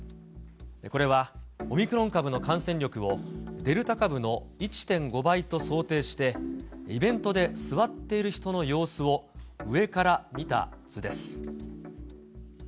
これは、オミクロン株の感染力を、デルタ株の１．５倍と想定して、イベントで座っている人の様子を上から見た図です。